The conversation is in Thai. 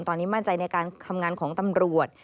ตอนนี้มั่นใจในการทำงานของตำรวจ